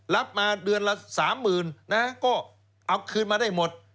รับมาเดือนละ๓๐๐๐นะก็เอาคืนมาได้หมด